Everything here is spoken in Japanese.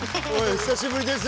久しぶりです。